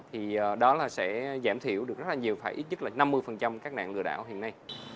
thì đó là sẽ giảm thiểu được rất là nhiều phải ít nhất là năm mươi các nạn lừa đảo hiện nay